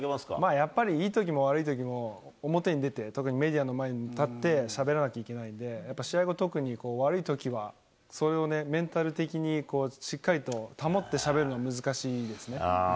やっぱり、いいときも悪いときも、表に出て、例えばメディアの前に立ってしゃべらなきゃいけないんで、やっぱ試合は特に、悪いときはそれをメンタル的にしっかりと保ってしゃべるのは難しいんですね。